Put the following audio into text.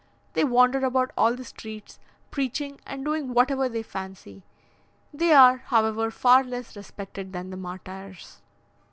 They wander about all the streets, preaching and doing whatever they fancy; they are, however, far less respected than the martyrs.